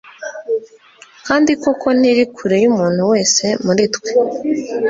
kandi koko ntiri kure y'umuntu wese muri twe